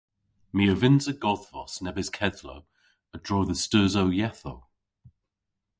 My a vynnsa godhvos nebes kedhlow a-dro dhe steusow yethow.